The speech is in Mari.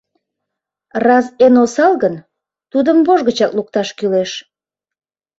Раз эн осал гын, тудым вож гычак лукташ кӱлеш...